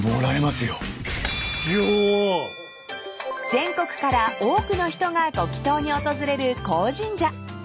［全国から多くの人がご祈祷に訪れる鴻神社］